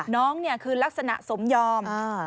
น้องเนี่ยคือลักษณะสมยอม